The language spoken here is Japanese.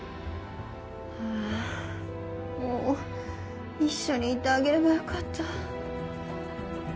はぁもう一緒にいてあげれば良かった。